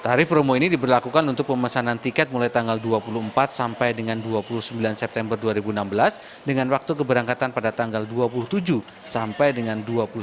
tarif promo ini diberlakukan untuk pemesanan tiket mulai tanggal dua puluh empat sampai dengan dua puluh sembilan september dua ribu enam belas dengan waktu keberangkatan pada tanggal dua puluh tujuh sampai dengan dua puluh satu